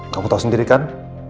kamu tau sendiri kan